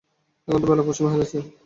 এখন তো বেলা পশ্চিমে হেলেছে।